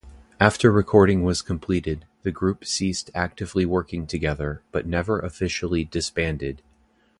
After recording was completed, the group ceased actively working together, but never officially disbanded.